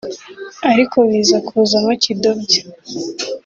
ariko biza kuzamo kidobya